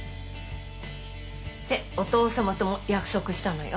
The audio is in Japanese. ってお父様とも約束したのよ。